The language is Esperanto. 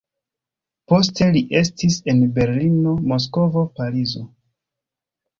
Poste li estis en Berlino, Moskvo, Parizo.